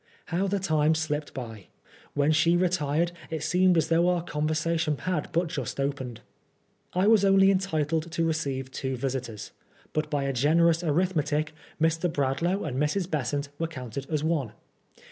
How the time slipped by I When she retired it seemed as though our conversation had but just opened. I was only entitled to receive two visitors, but by a generous arithmetic Mr. Bradlaugh and Mrs. Besant were counted as one.